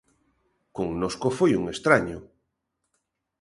Connosco foi un estraño.